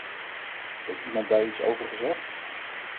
Heeft iemand daar iets over gezegd?